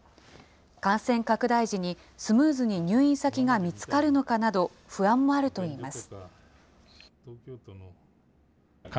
感染拡大時にスムーズに入院先が見つかるのかなど、不安もあるといいます。